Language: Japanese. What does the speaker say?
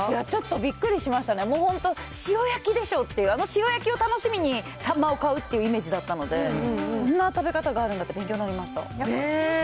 びっくりしましたね、本当、塩焼きでしょうっていう、あの塩焼きを楽しみにサンマを買うっていうイメージだったので、こんな食べ方があるんだって勉強になりました。